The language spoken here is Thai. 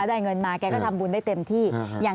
ได้เงินมาแกก็ทำบุญได้เต็มที่